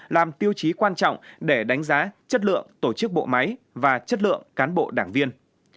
làm tiêu chí quan trọng để đánh giá chất lượng tổ chức bộ máy và chất lượng cán bộ đảng viên